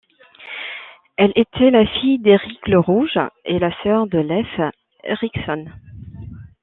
Elle était la fille d'Erik le Rouge et la sœur de Leif Eriksson.